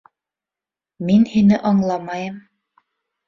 Мин һине аңламайым.